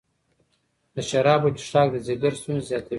د شرابو څښاک د ځیګر ستونزې زیاتوي.